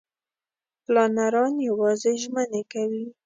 پلانران یوازې ژمنې کوي.